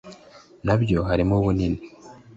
Na byo harimo ubunini